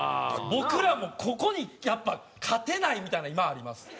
僕らもうここにやっぱ勝てないみたいな今あります。